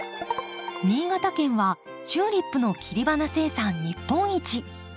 新潟県はチューリップの切り花生産日本一。